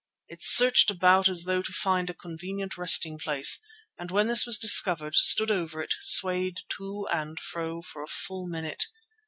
It searched about as though to find a convenient resting place, and when this was discovered, stood over it, swaying to and fro for a full minute.